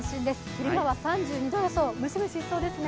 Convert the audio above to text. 昼間は３２度だそう、ムシムシしそうですね。